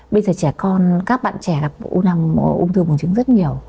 bây giờ các bạn trẻ gặp u năng buồng trứng rất nhiều